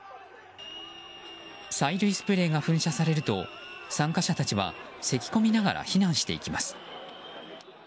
催涙スプレーが噴射されると参加者たちはせき込みながら避難してきます。